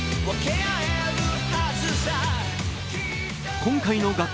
今回の楽曲